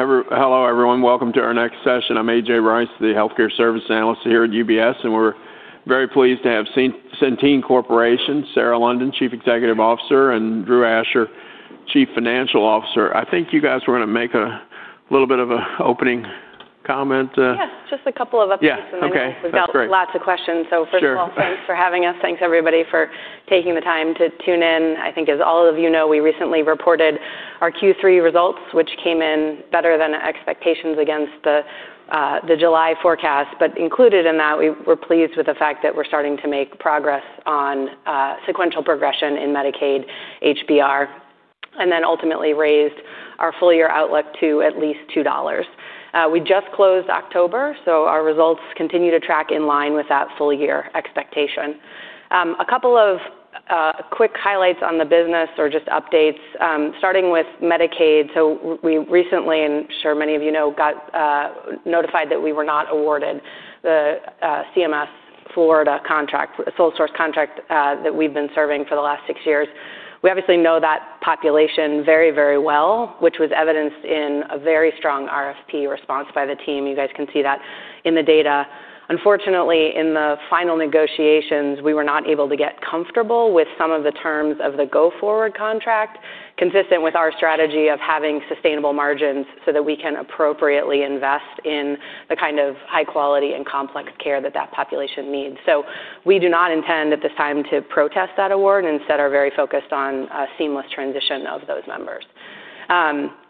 Hello, everyone. Welcome to our next session. I'm A.J. Rice, the Healthcare Services Analyst here at UBS, and we're very pleased to have Centene Corporation, Sarah London, Chief Executive Officer, and Drew Asher, Chief Financial Officer. I think you guys were going to make a little bit of an opening comment. Yes, just a couple of updates in there. Yeah, okay. Without lots of questions. First of all, thanks for having us. Thanks, everybody, for taking the time to tune in. I think, as all of you know, we recently reported our Q3 results, which came in better than expectations against the July forecast. Included in that, we were pleased with the fact that we're starting to make progress on sequential progression in Medicaid, HBR, and then ultimately raised our full-year outlook to at least $2. We just closed October, so our results continue to track in line with that full-year expectation. A couple of quick highlights on the business, or just updates, starting with Medicaid. We recently, and I'm sure many of you know, got notified that we were not awarded the CMS Florida contract, a sole-source contract that we've been serving for the last six years. We obviously know that population very, very well, which was evidenced in a very strong RFP response by the team. You guys can see that in the data. Unfortunately, in the final negotiations, we were not able to get comfortable with some of the terms of the go-forward contract, consistent with our strategy of having sustainable margins so that we can appropriately invest in the kind of high-quality and complex care that that population needs. We do not intend at this time to protest that award. Instead, we are very focused on a seamless transition of those members.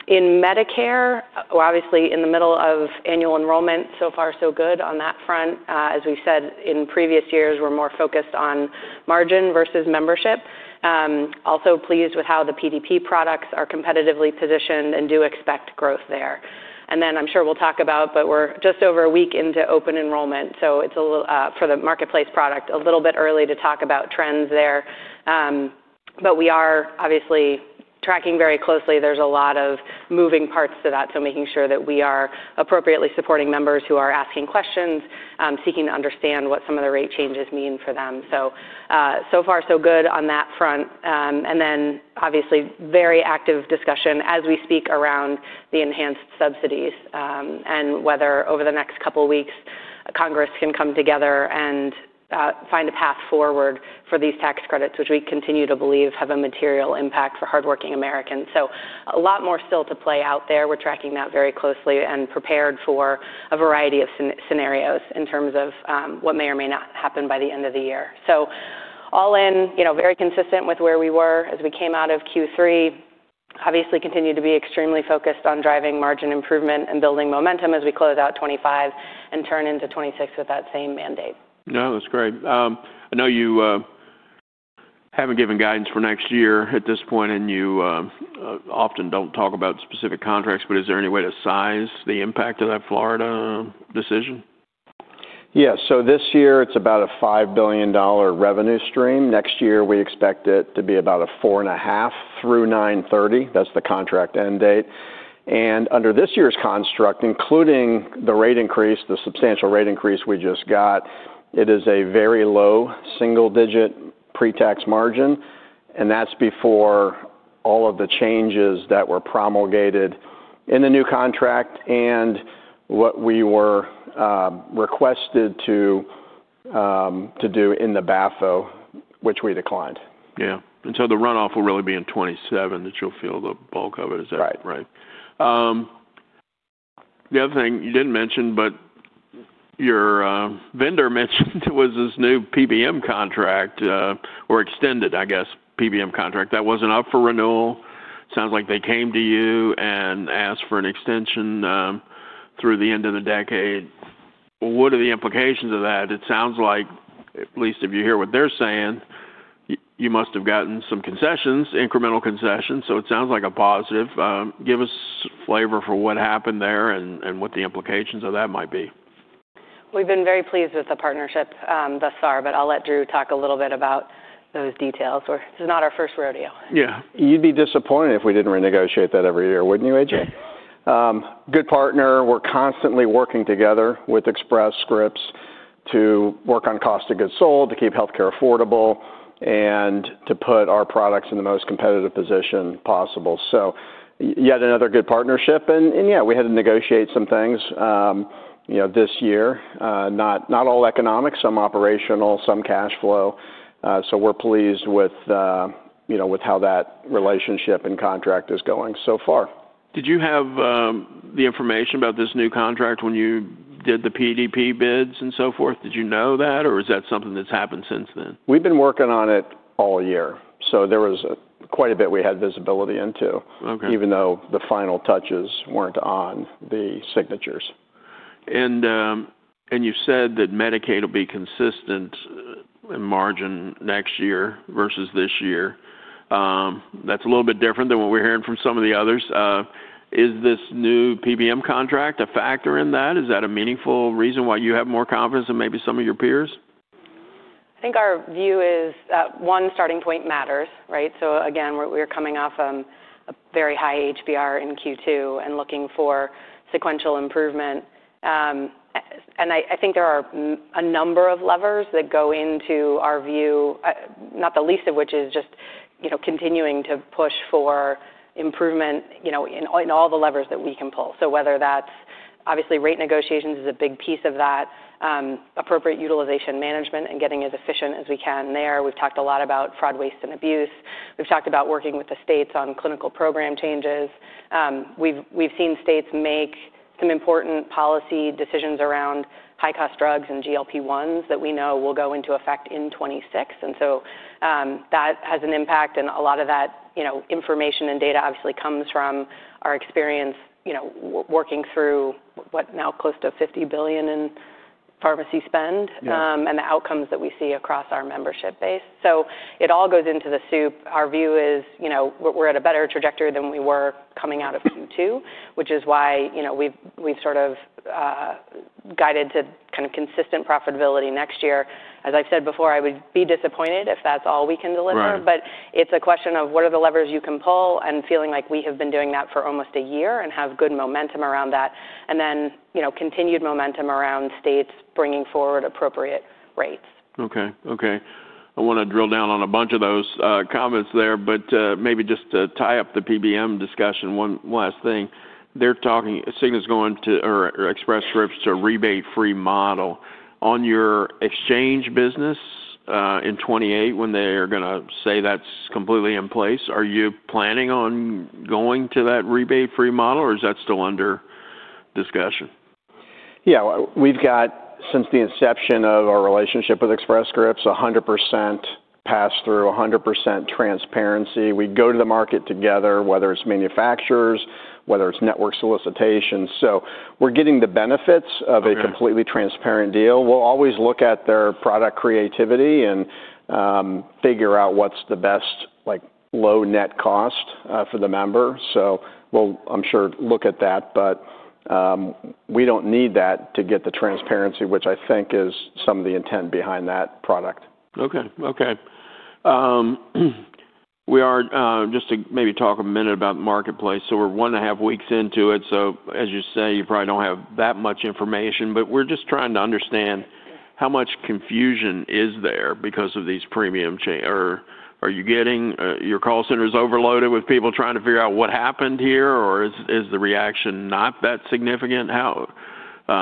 In Medicare, obviously, in the middle of annual enrollment, so far, so good on that front. As we've said in previous years, we're more focused on margin versus membership. Also, pleased with how the PDP products are competitively positioned and do expect growth there. We are just over a week into open enrollment, so it is, for the Marketplace product, a little bit early to talk about trends there. We are obviously tracking very closely. There are a lot of moving parts to that, so making sure that we are appropriately supporting members who are asking questions, seeking to understand what some of the rate changes mean for them. So far, so good on that front. There is obviously very active discussion as we speak around the enhanced subsidies and whether, over the next couple of weeks, Congress can come together and find a path forward for these tax credits, which we continue to believe have a material impact for hardworking Americans. There is a lot more still to play out there. We're tracking that very closely and prepared for a variety of scenarios in terms of what may or may not happen by the end of the year. All in, very consistent with where we were as we came out of Q3, obviously continue to be extremely focused on driving margin improvement and building momentum as we close out 2025 and turn into 2026 with that same mandate. No, that's great. I know you haven't given guidance for next year at this point, and you often don't talk about specific contracts, but is there any way to size the impact of that Florida decision? Yeah, so this year it's about a $5 billion revenue stream. Next year we expect it to be about a $4.5 billion-$9.3 billion. That's the contract end date. Under this year's construct, including the rate increase, the substantial rate increase we just got, it is a very low single-digit pre-tax margin, and that's before all of the changes that were promulgated in the new contract and what we were requested to do in the BAFO, which we declined. Yeah. And so the runoff will really be in 2027 that you'll feel the bulk of it, is that right? Right. The other thing you did not mention, but your vendor mentioned it was this new PBM contract, or extended, I guess, PBM contract. That was not up for renewal. It sounds like they came to you and asked for an extension through the end of the decade. What are the implications of that? It sounds like, at least if you hear what they are saying, you must have gotten some concessions, incremental concessions. So it sounds like a positive. Give us flavor for what happened there and what the implications of that might be? We've been very pleased with the partnership thus far, but I'll let Drew talk a little bit about those details. This is not our first rodeo. Yeah. You'd be disappointed if we didn't renegotiate that every year, wouldn't you, A.J.? Yeah. Good partner. We're constantly working together with Express Scripts to work on cost of goods sold, to keep healthcare affordable, and to put our products in the most competitive position possible. Yet another good partnership. Yeah, we had to negotiate some things this year, not all economics, some operational, some cash flow. We're pleased with how that relationship and contract is going so far. Did you have the information about this new contract when you did the PDP bids and so forth? Did you know that, or is that something that's happened since then? We've been working on it all year, so there was quite a bit we had visibility into, even though the final touches weren't on the signatures. You said that Medicaid will be consistent in margin next year versus this year. That's a little bit different than what we're hearing from some of the others. Is this new PBM contract a factor in that? Is that a meaningful reason why you have more confidence than maybe some of your peers? I think our view is, one, starting point matters, right? Again, we're coming off a very high HBR in Q2 and looking for sequential improvement. I think there are a number of levers that go into our view, not the least of which is just continuing to push for improvement in all the levers that we can pull. Whether that's, obviously, rate negotiations is a big piece of that, appropriate utilization management, and getting as efficient as we can there. We've talked a lot about fraud, waste, and abuse. We've talked about working with the states on clinical program changes. We've seen states make some important policy decisions around high-cost drugs and GLP-1s that we know will go into effect in 2026. That has an impact, and a lot of that information and data obviously comes from our experience working through what's now close to $50 billion in pharmacy spend and the outcomes that we see across our membership base. It all goes into the soup. Our view is we're at a better trajectory than we were coming out of Q2, which is why we've sort of guided to kind of consistent profitability next year. As I've said before, I would be disappointed if that's all we can deliver, but it's a question of what are the levers you can pull and feeling like we have been doing that for almost a year and have good momentum around that, and then continued momentum around states bringing forward appropriate rates. Okay, okay. I want to drill down on a bunch of those comments there, but maybe just to tie up the PBM discussion, one last thing. They're talking Cigna's going to, or Express Scripts to a rebate-free model. On your exchange business in 2028, when they are going to say that's completely in place, are you planning on going to that rebate-free model, or is that still under discussion? Yeah, we've got, since the inception of our relationship with Express Scripts, 100% pass-through, 100% transparency. We go to the market together, whether it's manufacturers, whether it's network solicitations. We're getting the benefits of a completely transparent deal. We'll always look at their product creativity and figure out what's the best low-net cost for the member. We'll, I'm sure, look at that, but we don't need that to get the transparency, which I think is some of the intent behind that product. Okay, okay. We are just to maybe talk a minute about the Marketplace. So we're one and a half weeks into it. As you say, you probably don't have that much information, but we're just trying to understand how much confusion is there because of these premium changes. Are you getting your call centers overloaded with people trying to figure out what happened here, or is the reaction not that significant? We've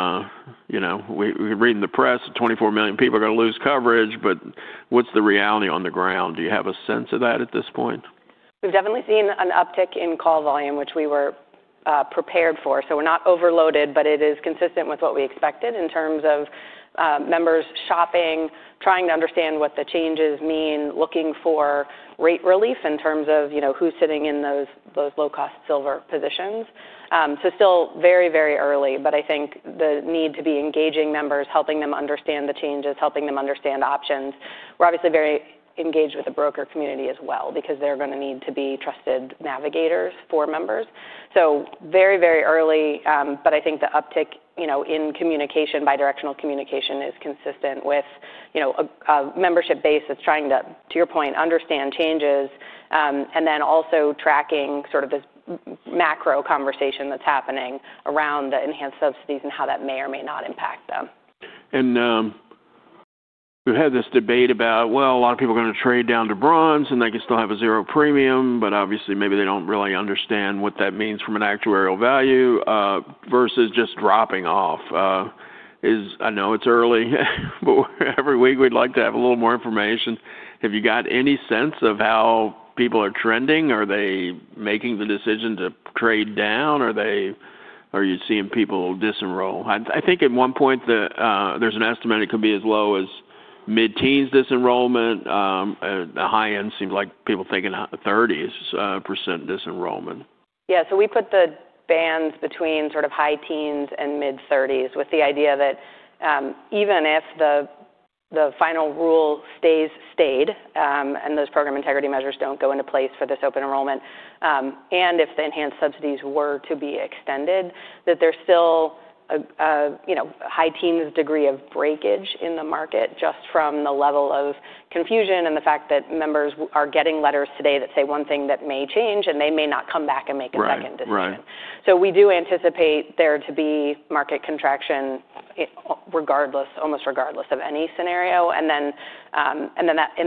been reading the press, 24 million people are going to lose coverage, but what's the reality on the ground? Do you have a sense of that at this point? We've definitely seen an uptick in call volume, which we were prepared for. We're not overloaded, but it is consistent with what we expected in terms of members shopping, trying to understand what the changes mean, looking for rate relief in terms of who's sitting in those low-cost silver positions. Still very, very early, but I think the need to be engaging members, helping them understand the changes, helping them understand options. We're obviously very engaged with the broker community as well because they're going to need to be trusted navigators for members. Very, very early, but I think the uptick in communication, bidirectional communication, is consistent with a membership base that's trying to, to your point, understand changes and then also tracking sort of this macro conversation that's happening around the enhanced subsidies and how that may or may not impact them. We have had this debate about, a lot of people are going to trade down to bronze and they can still have a zero premium, but obviously maybe they do not really understand what that means from an actuarial value versus just dropping off. I know it is early, but every week we would like to have a little more information. Have you got any sense of how people are trending? Are they making the decision to trade down? Are you seeing people disenroll? I think at one point there is an estimate it could be as low as mid-teens disenrollment. The high end seems like people thinking 30% disenrollment. Yeah, so we put the bands between sort of high teens and mid-30s with the idea that even if the final rule stays stayed and those program integrity measures do not go into place for this open enrollment, and if the enhanced subsidies were to be extended, that there is still a high teens degree of breakage in the market just from the level of confusion and the fact that members are getting letters today that say one thing that may change and they may not come back and make a second decision. We do anticipate there to be market contraction almost regardless of any scenario. In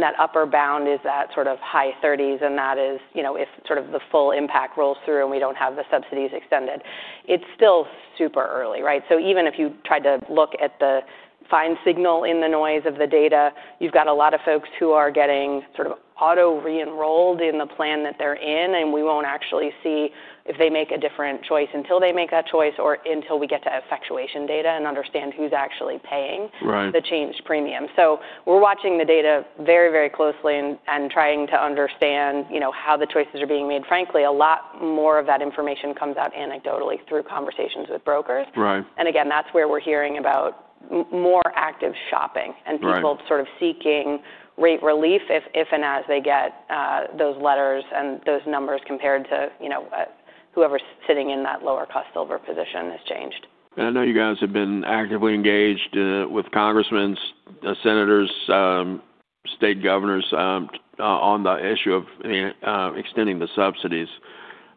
that upper bound is that sort of high 30s, and that is if sort of the full impact rolls through and we do not have the subsidies extended. It is still super early, right? Even if you tried to look at the fine signal in the noise of the data, you've got a lot of folks who are getting sort of auto-re-enrolled in the plan that they're in, and we won't actually see if they make a different choice until they make that choice or until we get to effectuation data and understand who's actually paying the changed premium. We're watching the data very, very closely and trying to understand how the choices are being made. Frankly, a lot more of that information comes out anecdotally through conversations with brokers. Again, that's where we're hearing about more active shopping and people sort of seeking rate relief if and as they get those letters and those numbers compared to whoever's sitting in that lower-cost silver position has changed. I know you guys have been actively engaged with congressmen, senators, state governors on the issue of extending the subsidies.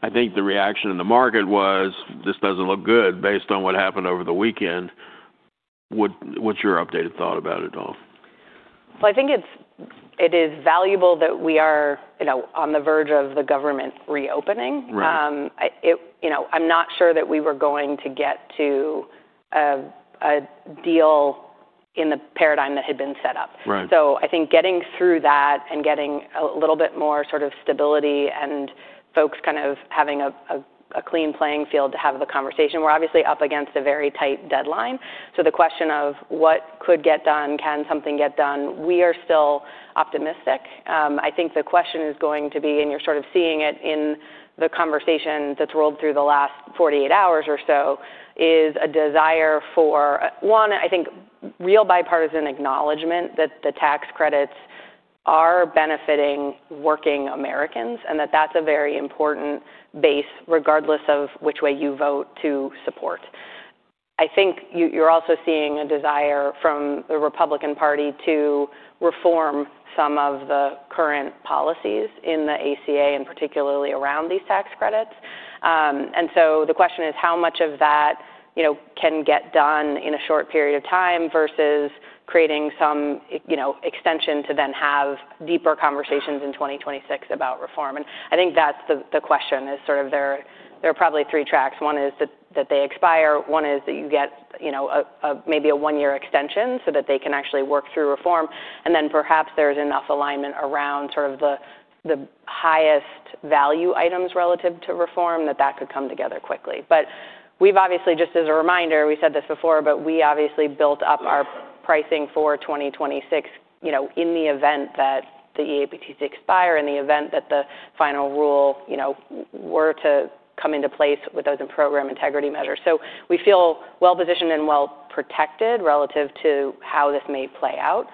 I think the reaction in the market was, this doesn't look good based on what happened over the weekend. What's your updated thought about it all? I think it is valuable that we are on the verge of the government reopening. I'm not sure that we were going to get to a deal in the paradigm that had been set up. I think getting through that and getting a little bit more sort of stability and folks kind of having a clean playing field to have the conversation. We're obviously up against a very tight deadline. The question of what could get done, can something get done, we are still optimistic. I think the question is going to be, and you're sort of seeing it in the conversation that's rolled through the last 48 hours or so, is a desire for, one, I think real bipartisan acknowledgement that the tax credits are benefiting working Americans and that that's a very important base regardless of which way you vote to support. I think you're also seeing a desire from the Republican Party to reform some of the current policies in the ACA and particularly around these tax credits. The question is how much of that can get done in a short period of time versus creating some extension to then have deeper conversations in 2026 about reform. I think that's the question, is sort of there are probably three tracks. One is that they expire. One is that you get maybe a one-year extension so that they can actually work through reform. Then perhaps there's enough alignment around sort of the highest value items relative to reform that that could come together quickly. We have obviously, just as a reminder, we said this before, but we obviously built up our pricing for 2026 in the event that the EAPTs expire, in the event that the final rule were to come into place with those in program integrity measures. We feel well-positioned and well-protected relative to how this may play out,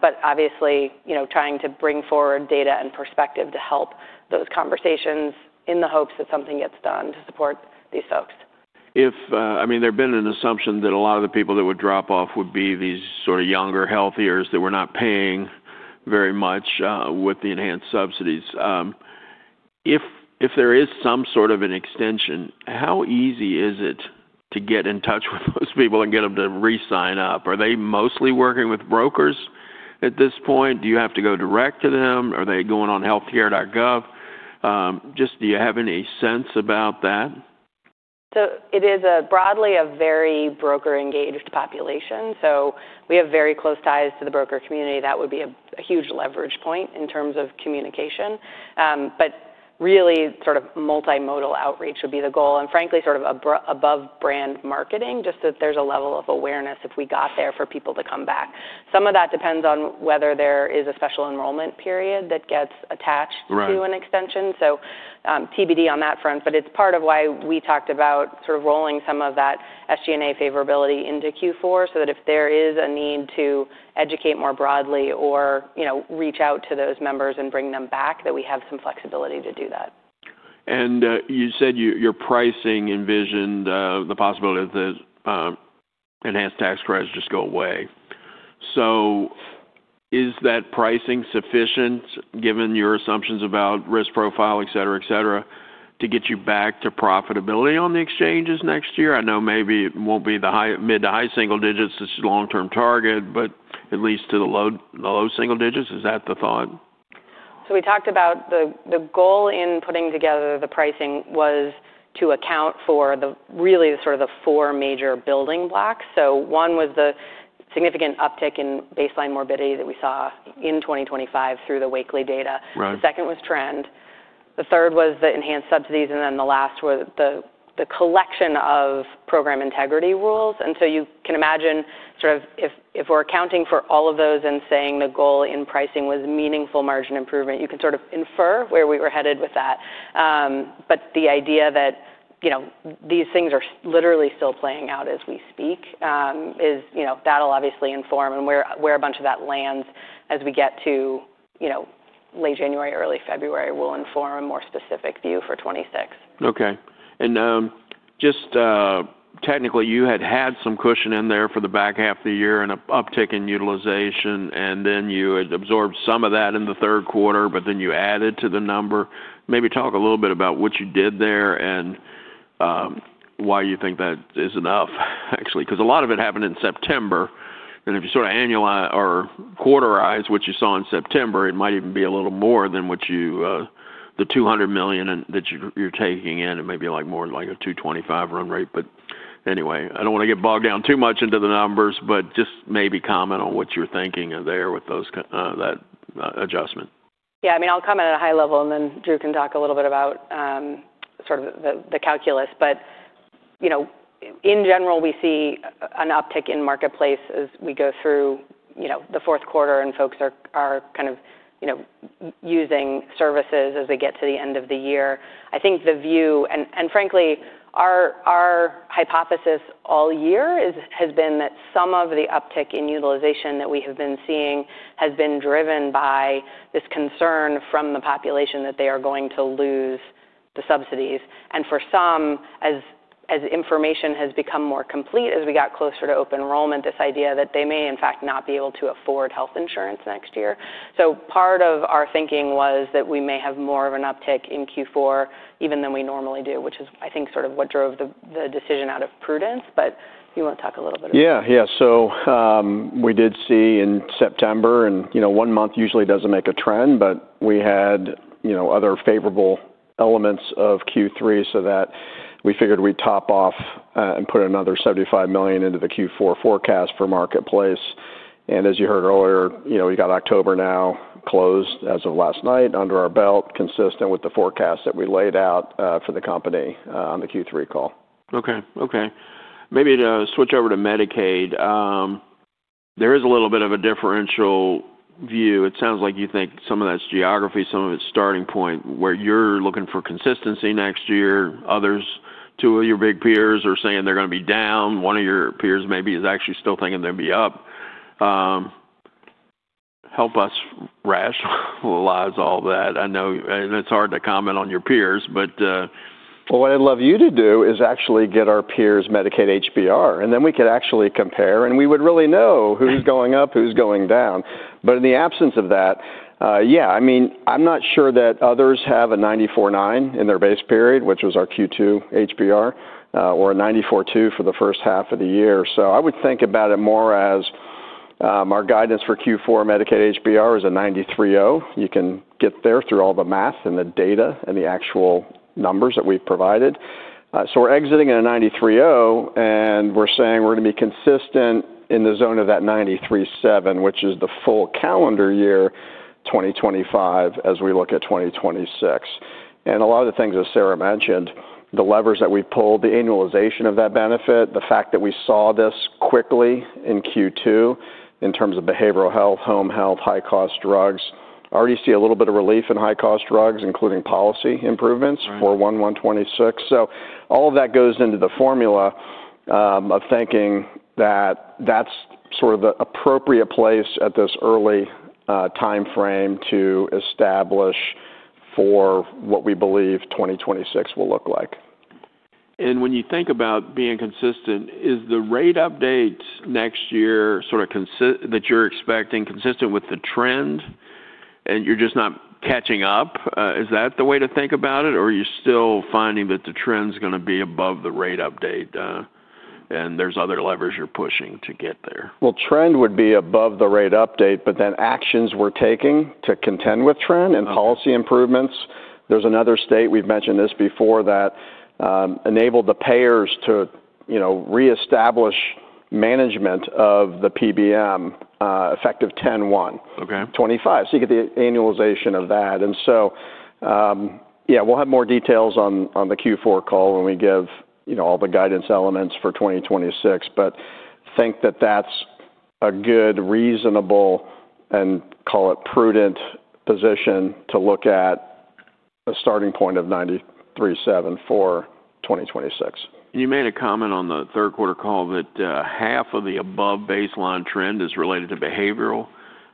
but obviously trying to bring forward data and perspective to help those conversations in the hopes that something gets done to support these folks. I mean, there had been an assumption that a lot of the people that would drop off would be these sort of younger, healthier that were not paying very much with the enhanced subsidies. If there is some sort of an extension, how easy is it to get in touch with those people and get them to re-sign up? Are they mostly working with brokers at this point? Do you have to go direct to them? Are they going on healthcare.gov? Just do you have any sense about that? It is broadly a very broker-engaged population. We have very close ties to the broker community. That would be a huge leverage point in terms of communication. Really, sort of multimodal outreach would be the goal. Frankly, sort of above-brand marketing, just that there is a level of awareness if we got there for people to come back. Some of that depends on whether there is a special enrollment period that gets attached to an extension. TBD on that front, but it is part of why we talked about rolling some of that SG&A favorability into Q4 so that if there is a need to educate more broadly or reach out to those members and bring them back, we have some flexibility to do that. You said your pricing envisioned the possibility that enhanced tax credits just go away. Is that pricing sufficient given your assumptions about risk profile, et cetera, et cetera, to get you back to profitability on the exchanges next year? I know maybe it will not be the mid to high single digits, it is a long-term target, but at least to the low single digits. Is that the thought? We talked about the goal in putting together the pricing was to account for really sort of the four major building blocks. One was the significant uptick in baseline morbidity that we saw in 2025 through the weekly data. The second was trend. The third was the enhanced subsidies. The last was the collection of program integrity rules. You can imagine sort of if we're accounting for all of those and saying the goal in pricing was meaningful margin improvement, you can sort of infer where we were headed with that. The idea that these things are literally still playing out as we speak, that'll obviously inform where a bunch of that lands as we get to late January, early February, will inform a more specific view for 2026. Okay. Just technically, you had had some cushion in there for the back half of the year and an uptick in utilization, and then you had absorbed some of that in the third quarter, but then you added to the number. Maybe talk a little bit about what you did there and why you think that is enough, actually, because a lot of it happened in September. If you sort of annualize or quarterize what you saw in September, it might even be a little more than the $200 million that you're taking in and maybe like more like a $225 million run rate. Anyway, I don't want to get bogged down too much into the numbers, but just maybe comment on what you're thinking there with that adjustment. Yeah, I mean, I'll comment at a high level and then Drew can talk a little bit about sort of the calculus. In general, we see an uptick in Marketplace as we go through the fourth quarter and folks are kind of using services as they get to the end of the year. I think the view, and frankly, our hypothesis all year has been that some of the uptick in utilization that we have been seeing has been driven by this concern from the population that they are going to lose the subsidies. For some, as information has become more complete as we got closer to open enrollment, this idea that they may in fact not be able to afford health insurance next year. Part of our thinking was that we may have more of an uptick in Q4 even than we normally do, which is, I think, sort of what drove the decision out of prudence, but you want to talk a little bit about that. Yeah, yeah. We did see in September, and one month usually does not make a trend, but we had other favorable elements of Q3, so we figured we would top off and put another $75 million into the Q4 forecast for Marketplace. As you heard earlier, we got October now closed as of last night under our belt, consistent with the forecast that we laid out for the company on the Q3 call. Okay, okay. Maybe to switch over to Medicaid, there is a little bit of a differential view. It sounds like you think some of that is geography, some of it is starting point where you are looking for consistency next year. Others, two of your big peers are saying they are going to be down. One of your peers maybe is actually still thinking they will be up. Help us rationalize all that. I know it's hard to comment on your peers, but. What I'd love you to do is actually get our peers' Medicaid HBR, and then we could actually compare and we would really know who's going up, who's going down. In the absence of that, yeah, I mean, I'm not sure that others have a 94.9 in their base period, which was our Q2 HBR, or a 94.2 for the first half of the year. I would think about it more as our guidance for Q4 Medicaid HBR is a 93.0. You can get there through all the math and the data and the actual numbers that we've provided. We're exiting at a 93.0 and we're saying we're going to be consistent in the zone of that 93.7, which is the full calendar year 2025 as we look at 2026. A lot of the things that Sarah mentioned, the levers that we pulled, the annualization of that benefit, the fact that we saw this quickly in Q2 in terms of behavioral health, home health, high-cost drugs. Already see a little bit of relief in high-cost drugs, including policy improvements for 1126. All of that goes into the formula of thinking that that's sort of the appropriate place at this early timeframe to establish for what we believe 2026 will look like. When you think about being consistent, is the rate updates next year sort of that you're expecting consistent with the trend and you're just not catching up? Is that the way to think about it? Are you still finding that the trend's going to be above the rate update and there's other levers you're pushing to get there? Trend would be above the rate update, but then actions we're taking to contend with trend and policy improvements. There is another state, we've mentioned this before, that enabled the payers to reestablish management of the PBM effective 10/01/2025. You get the annualization of that. Yeah, we'll have more details on the Q4 call when we give all the guidance elements for 2026, but think that that's a good, reasonable, and call it prudent position to look at a starting point of 93.7% for 2026. You made a comment on the third quarter call that half of the above baseline trend is related to behavioral.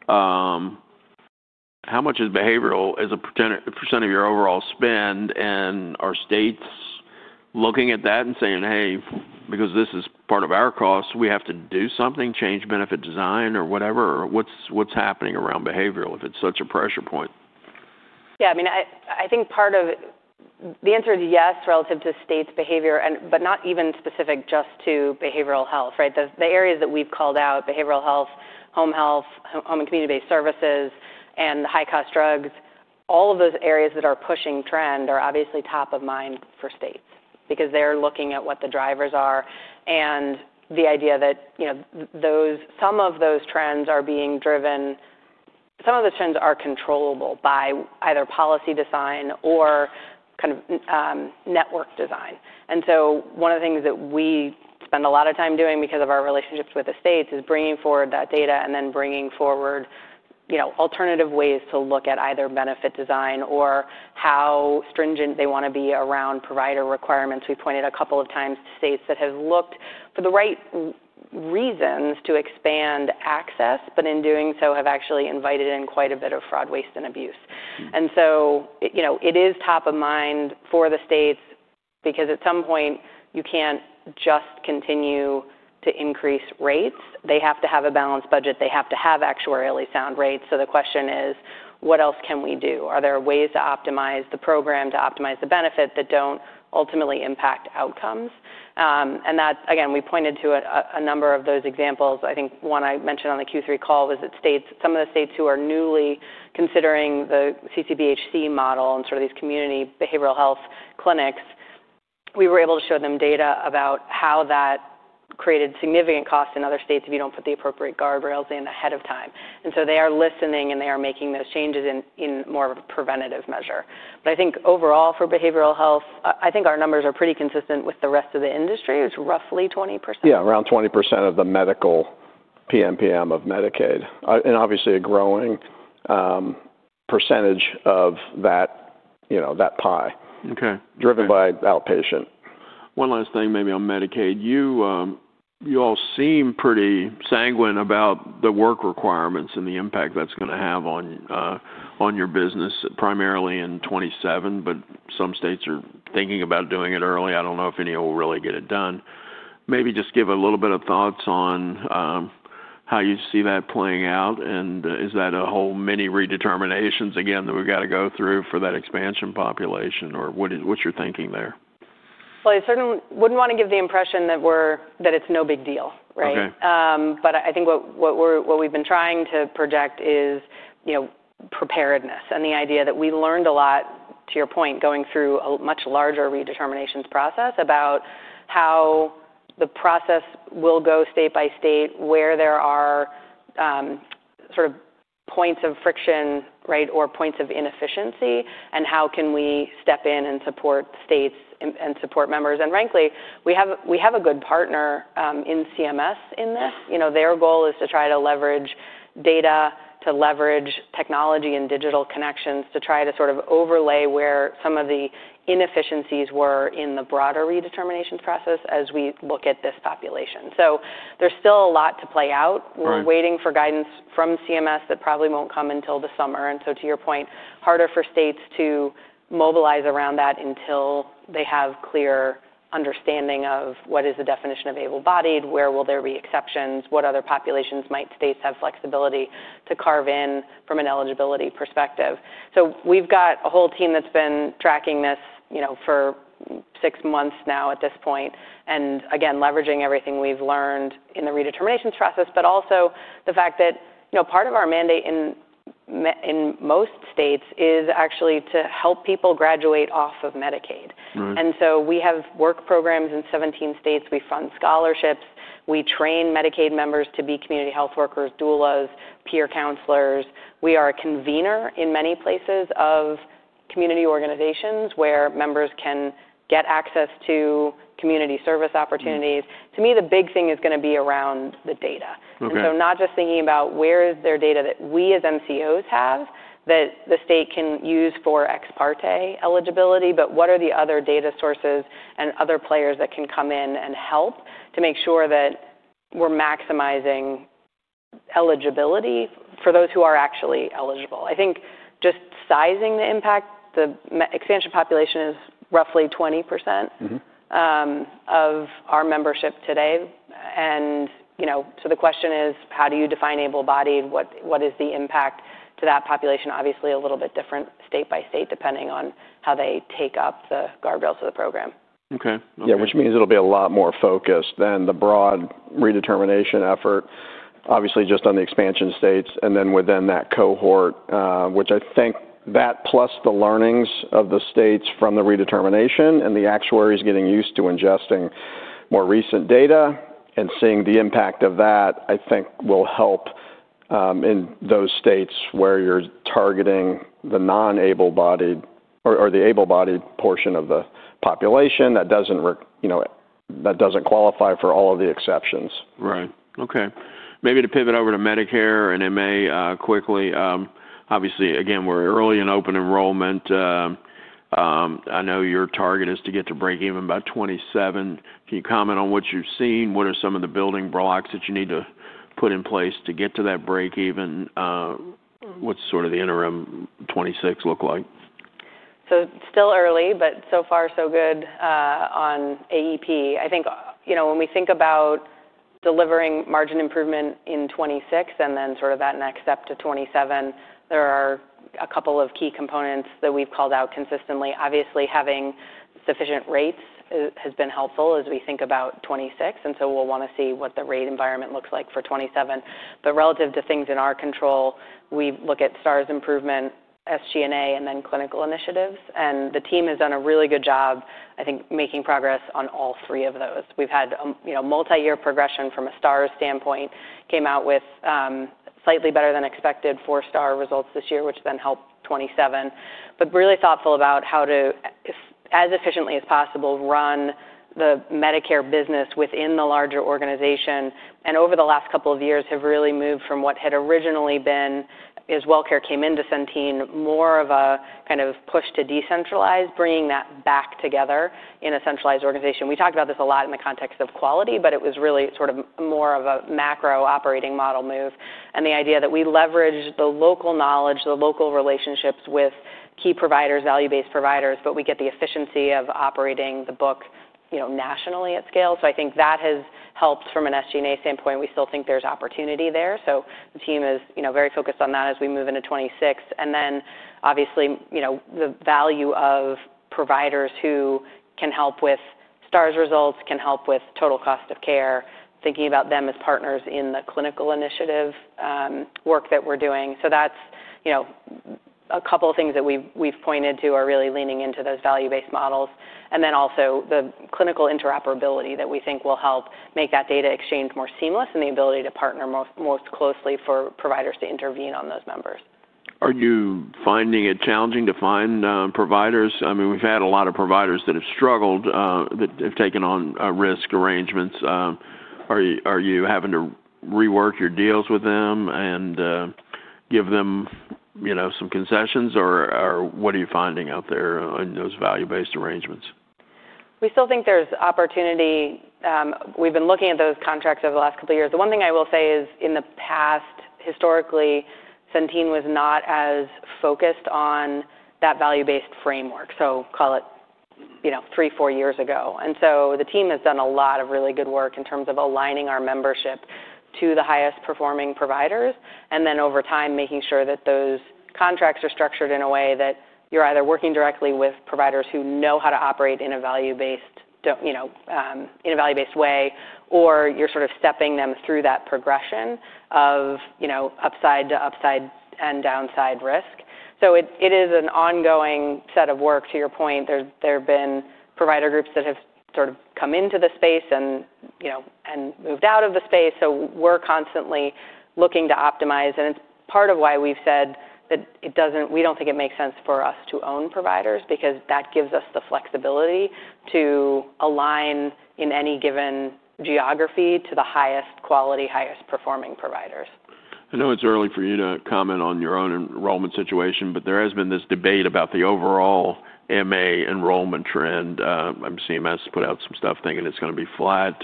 How much is behavioral as a % of your overall spend? Are states looking at that and saying, "Hey, because this is part of our cost, we have to do something, change benefit design or whatever?" What is happening around behavioral if it is such a pressure point? Yeah, I mean, I think part of the answer is yes relative to states' behavior, but not even specific just to behavioral health, right? The areas that we've called out, behavioral health, home health, home and community-based services, and high-cost drugs, all of those areas that are pushing trend are obviously top of mind for states because they're looking at what the drivers are. The idea that some of those trends are being driven, some of those trends are controllable by either policy design or kind of network design. One of the things that we spend a lot of time doing because of our relationships with the states is bringing forward that data and then bringing forward alternative ways to look at either benefit design or how stringent they want to be around provider requirements. We pointed a couple of times to states that have looked for the right reasons to expand access, but in doing so have actually invited in quite a bit of fraud, waste, and abuse. It is top of mind for the states because at some point you can't just continue to increase rates. They have to have a balanced budget. They have to have actuarially sound rates. The question is, what else can we do? Are there ways to optimize the program, to optimize the benefit that don't ultimately impact outcomes? We pointed to a number of those examples. I think one I mentioned on the Q3 call was that some of the states who are newly considering the CCBHC model and sort of these community behavioral health clinics, we were able to show them data about how that created significant costs in other states if you do not put the appropriate guardrails in ahead of time. They are listening and they are making those changes in more of a preventative measure. I think overall for behavioral health, I think our numbers are pretty consistent with the rest of the industry. It is roughly 20%. Yeah, around 20% of the medical PMPM of Medicaid. Obviously a growing percentage of that pie driven by outpatient. One last thing maybe on Medicaid. You all seem pretty sanguine about the work requirements and the impact that's going to have on your business primarily in 2027, but some states are thinking about doing it early. I don't know if any of them will really get it done. Maybe just give a little bit of thoughts on how you see that playing out. Is that a whole many redeterminations again that we've got to go through for that expansion population? Or what's your thinking there? I certainly wouldn't want to give the impression that it's no big deal, right? I think what we've been trying to project is preparedness and the idea that we learned a lot, to your point, going through a much larger redeterminations process about how the process will go state by state, where there are sort of points of friction, right, or points of inefficiency, and how can we step in and support states and support members. Frankly, we have a good partner in CMS in this. Their goal is to try to leverage data, to leverage technology and digital connections to try to sort of overlay where some of the inefficiencies were in the broader redeterminations process as we look at this population. There's still a lot to play out. We're waiting for guidance from CMS that probably won't come until the summer. To your point, harder for states to mobilize around that until they have clear understanding of what is the definition of able-bodied, where will there be exceptions, what other populations might states have flexibility to carve in from an eligibility perspective. We have a whole team that's been tracking this for six months now at this point and again, leveraging everything we've learned in the redeterminations process, but also the fact that part of our mandate in most states is actually to help people graduate off of Medicaid. We have work programs in 17 states. We fund scholarships. We train Medicaid members to be community health workers, doulas, peer counselors. We are a convener in many places of community organizations where members can get access to community service opportunities. To me, the big thing is going to be around the data. Not just thinking about where is there data that we as MCOs have that the state can use for ex parte eligibility, but what are the other data sources and other players that can come in and help to make sure that we're maximizing eligibility for those who are actually eligible. I think just sizing the impact, the expansion population is roughly 20% of our membership today. The question is, how do you define able-bodied? What is the impact to that population? Obviously, a little bit different state by state depending on how they take up the guardrails of the program. Okay. Yeah, which means it'll be a lot more focused than the broad redetermination effort, obviously just on the expansion states and then within that cohort, which I think that plus the learnings of the states from the redetermination and the actuaries getting used to ingesting more recent data and seeing the impact of that, I think will help in those states where you're targeting the non-able-bodied or the able-bodied portion of the population that doesn't qualify for all of the exceptions. Right. Okay. Maybe to pivot over to Medicare and MA quickly. Obviously, again, we're early in open enrollment. I know your target is to get to break even by 2027. Can you comment on what you've seen? What are some of the building blocks that you need to put in place to get to that break even? What's sort of the interim 2026 look like? Still early, but so far, so good on AEP. I think when we think about delivering margin improvement in 2026 and then sort of that next step to 2027, there are a couple of key components that we've called out consistently. Obviously, having sufficient rates has been helpful as we think about 2026. We'll want to see what the rate environment looks like for 2027. Relative to things in our control, we look at STARS improvement, SG&A, and then clinical initiatives. The team has done a really good job, I think, making progress on all three of those. We've had a multi-year progression from a STARS standpoint, came out with slightly better than expected four-star results this year, which then helped 2027. Really thoughtful about how to, as efficiently as possible, run the Medicare business within the larger organization. Over the last couple of years, have really moved from what had originally been, as WellCare came into Centene, more of a kind of push to decentralize, bringing that back together in a centralized organization. We talked about this a lot in the context of quality, but it was really sort of more of a macro operating model move. The idea is that we leverage the local knowledge, the local relationships with key providers, value-based providers, but we get the efficiency of operating the book nationally at scale. I think that has helped from an SG&A standpoint. We still think there's opportunity there. The team is very focused on that as we move into 2026. Obviously the value of providers who can help with STARS results, can help with total cost of care, thinking about them as partners in the clinical initiative work that we're doing. That's a couple of things that we've pointed to are really leaning into those value-based models. Also the clinical interoperability that we think will help make that data exchange more seamless and the ability to partner most closely for providers to intervene on those members. Are you finding it challenging to find providers? I mean, we've had a lot of providers that have struggled, that have taken on risk arrangements. Are you having to rework your deals with them and give them some concessions? What are you finding out there in those value-based arrangements? We still think there's opportunity. We've been looking at those contracts over the last couple of years. The one thing I will say is in the past, historically, Centene was not as focused on that value-based framework, so call it three, four years ago. The team has done a lot of really good work in terms of aligning our membership to the highest performing providers. Over time, making sure that those contracts are structured in a way that you're either working directly with providers who know how to operate in a value-based way, or you're sort of stepping them through that progression of upside to upside and downside risk. It is an ongoing set of work. To your point, there have been provider groups that have sort of come into the space and moved out of the space. We're constantly looking to optimize. It is part of why we've said that we don't think it makes sense for us to own providers because that gives us the flexibility to align in any given geography to the highest quality, highest performing providers. I know it's early for you to comment on your own enrollment situation, but there has been this debate about the overall MA enrollment trend. I'm seeing us put out some stuff thinking it's going to be flat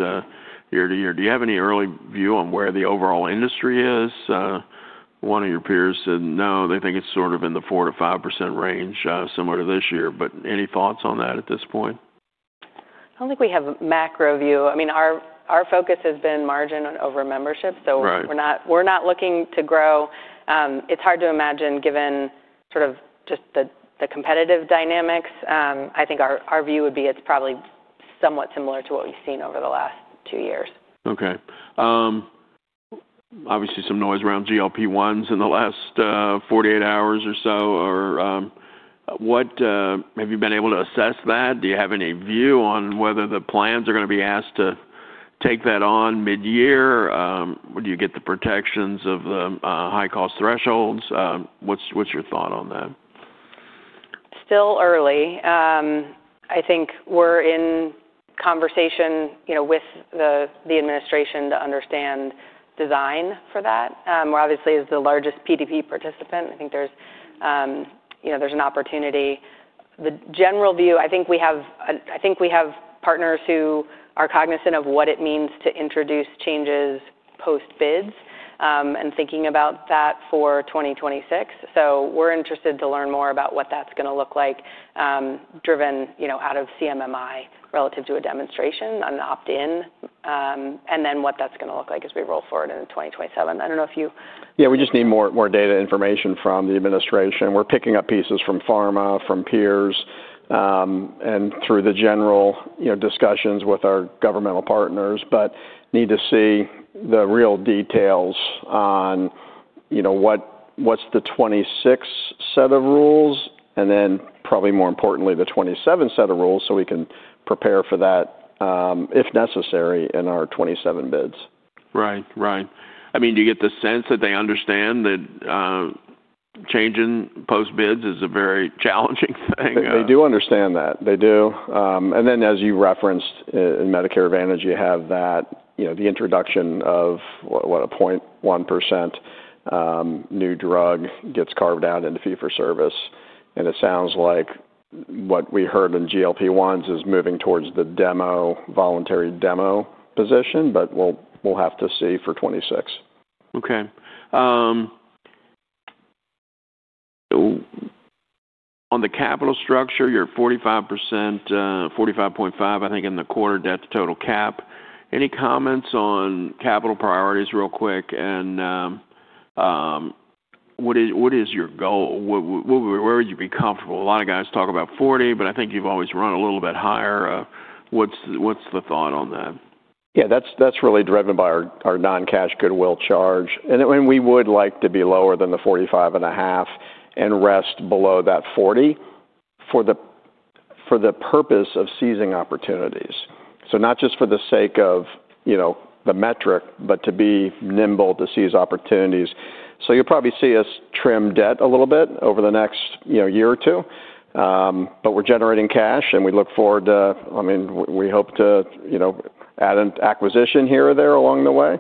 year to year. Do you have any early view on where the overall industry is? One of your peers said no. They think it's sort of in the 4-5% range similar to this year. Any thoughts on that at this point? I don't think we have a macro view. I mean, our focus has been margin over membership. So we're not looking to grow. It's hard to imagine given sort of just the competitive dynamics. I think our view would be it's probably somewhat similar to what we've seen over the last two years. Okay. Obviously, some noise around GLP-1s in the last 48 hours or so. Have you been able to assess that? Do you have any view on whether the plans are going to be asked to take that on mid-year? Do you get the protections of the high-cost thresholds? What's your thought on that? Still early. I think we're in conversation with the administration to understand design for that. We're obviously the largest PDP participant. I think there's an opportunity. The general view, I think we have partners who are cognizant of what it means to introduce changes post-bids and thinking about that for 2026. We are interested to learn more about what that's going to look like driven out of CMMI relative to a demonstration on opt-in, and then what that's going to look like as we roll forward into 2027. I don't know if you. Yeah, we just need more data information from the administration. We're picking up pieces from pharma, from peers, and through the general discussions with our governmental partners, but need to see the real details on what's the '26 set of rules, and then probably more importantly, the '27 set of rules so we can prepare for that if necessary in our '27 bids. Right. Right. I mean, do you get the sense that they understand that changing post-bids is a very challenging thing? They do understand that. They do. And then as you referenced in Medicare Advantage, you have the introduction of what a 0.1% new drug gets carved out into fee for service. And it sounds like what we heard in GLP-1s is moving towards the voluntary demo position, but we'll have to see for '26. Okay. On the capital structure, you're 45%, 45.5, I think in the quarter debt to total cap. Any comments on capital priorities real quick? And what is your goal? Where would you be comfortable? A lot of guys talk about 40, but I think you've always run a little bit higher. What's the thought on that? Yeah, that's really driven by our non-cash goodwill charge. And we would like to be lower than the 45.5 and rest below that 40 for the purpose of seizing opportunities. So not just for the sake of the metric, but to be nimble to seize opportunities. So you'll probably see us trim debt a little bit over the next year or two. But we're generating cash, and we look forward to, I mean, we hope to add an acquisition here or there along the way.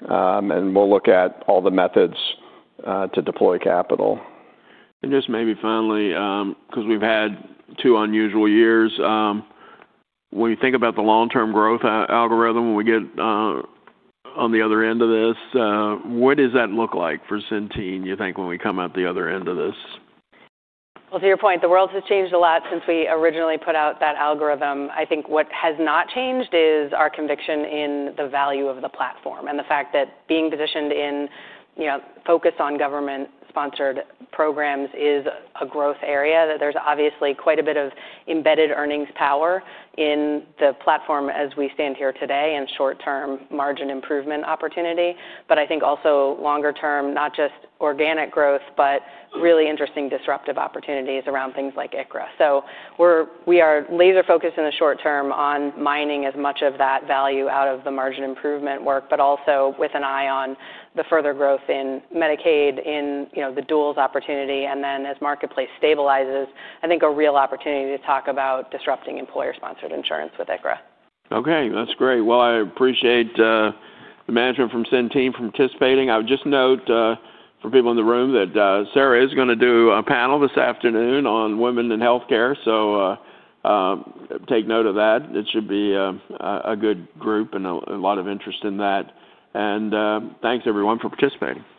And we'll look at all the methods to deploy capital. And just maybe finally, because we've had two unusual years, when you think about the long-term growth algorithm, we get on the other end of this, what does that look like for Centene, you think, when we come out the other end of this? Well, to your point, the world has changed a lot since we originally put out that algorithm. I think what has not changed is our conviction in the value of the platform and the fact that being positioned in focus on government-sponsored programs is a growth area. There's obviously quite a bit of embedded earnings power in the platform as we stand here today and short-term margin improvement opportunity. But I think also longer-term, not just organic growth, but really interesting disruptive opportunities around things like ICRA. So we are laser-focused in the short term on mining as much of that value out of the margin improvement work, but also with an eye on the further growth in Medicaid, in the doules opportunity, and then as marketplace stabilizes, I think a real opportunity to talk about disrupting employer-sponsored insurance with ICRA. Okay. That's great. Well, I appreciate the management from Centene for participating. I would just note for people in the room that Sarah is going to do a panel this afternoon on women in healthcare. So take note of that. It should be a good group and a lot of interest in that. And thanks, everyone, for participating. Thank you.